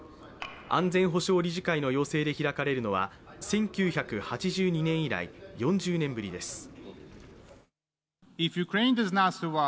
安全保障理事会の要請で開かれるのは１９８２年以来４０年ぶりです。